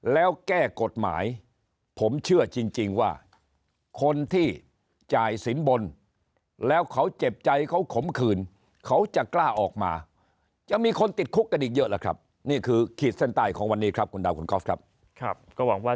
แล้วนายกเห็นชอบแล้วแก้กฎหมายผมเชื่อจริงจริงว่า